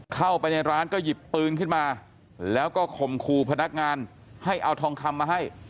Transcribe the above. เข้าไปในร้านก็หยิบปืนขึ้นมาแล้วก็ข่มขู่พนักงานให้เอาทองคำมาให้